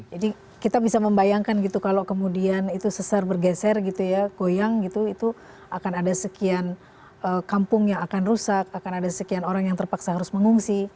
jadi kita bisa membayangkan gitu kalau kemudian itu sesar bergeser gitu ya goyang gitu itu akan ada sekian kampung yang akan rusak akan ada sekian orang yang terpaksa harus mengungsi